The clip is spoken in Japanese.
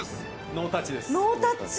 ノータッチ！